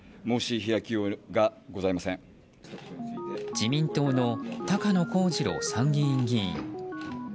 自民党の高野光二郎参議院議員。